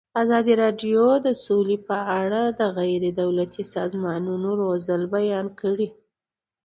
ازادي راډیو د سوله په اړه د غیر دولتي سازمانونو رول بیان کړی.